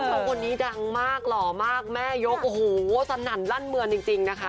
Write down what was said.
แล้วคนนี้ดังมากหล่อมากแม่ยกโอ้โหสนั่นลั่นเมืองจริงนะคะ